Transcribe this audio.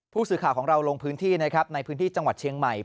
ผู้สื่อข่าวของเราลงพื้นที่นะครับในพื้นที่จังหวัดเชียงใหม่